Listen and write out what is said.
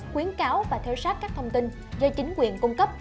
khuyến cáo và theo sát các thông tin do chính quyền cung cấp